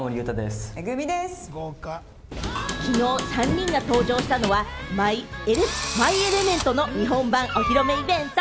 きのう３人が登場したのは、『マイ・エレメント』の日本版お披露目イベント。